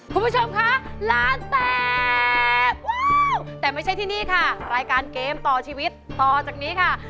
คุณผู้ชมคะล้านแตกแต่ไม่ใช่ที่นี่ค่ะรายการเกมต่อชีวิตต่อจากนี้ค่ะ